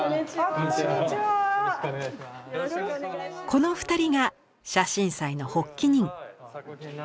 この二人が写真祭の発起人。